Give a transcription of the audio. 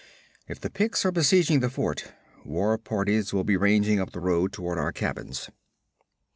If the Picts are besieging the fort, war parties will be ranging up the road toward our cabins.'